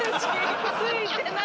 ついてない。